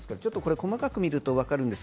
細かく見ると分かります。